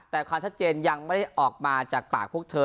แต่ความชัดเจนยังไม่ได้ออกมาจากปากพวกเธอ